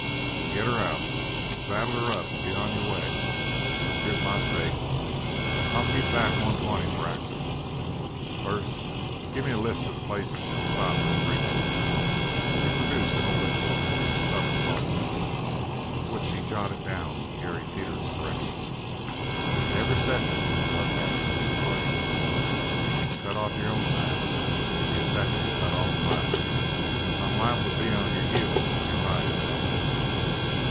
"Then get her out. Saddle her up, and be on your way. Here's my stake I'll keep back one twenty for accidents. First gimme a list of the places you'll stop for the relays." He produced an old envelope and a stub of soft pencil with which he jotted down Gary Peters' directions. "And every second," said Buck Daniels in parting, "that you can cut off your own time will be a second cut off'n mine. Because I'm liable to be on your heels when you ride into Elkhead."